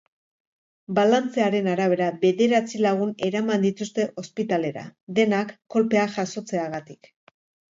Balantzearen arabera, bederatzi lagun eraman dituzte ospitalera, denak kolpeak jasotzeagatik.